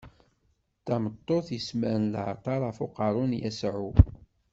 D tameṭṭut yesmaren leɛṭer ɣef uqerru n Yasuɛ.